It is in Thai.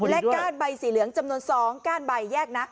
และก้านใบสีเหลืองจำนวน๒ก้านใบแยกนะ